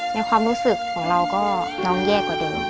ในความรู้สึกของเราก็น้องแย่กว่าเดิม